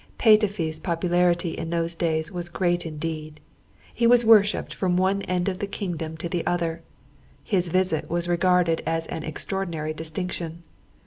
Petöfi's popularity in those days was great indeed; he was worshipped from one end of the kingdom to the other. His visit was regarded as an extraordinary distinction.